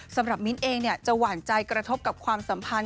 สำหรับมิ้นเองจะหว่าใจกระทบกับความสัมภัณฑ์